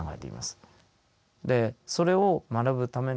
でそれを学ぶための